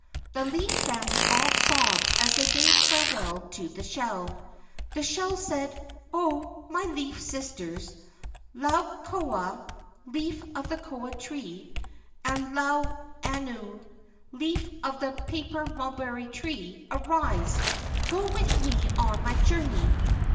The leaf family all sobbed as they bade farewell to the shell. The shell said: "Oh, my leaf sisters Laukoa [leaf of the koa tree] and Lauanau [leaf of the paper mulberry tree], arise, go with me on my journey!